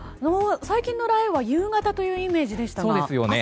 最近の雷雨は夕方というイメージでしたが朝なんですね。